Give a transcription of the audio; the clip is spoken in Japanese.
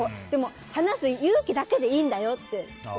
でも、話す勇気だけでいいんだよって。